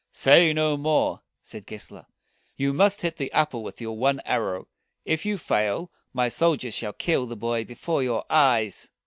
"Say no more," said Gessler. "You must hit the apple with your one arrow. If you fail, my sol diers shall kill the boy before your eyes."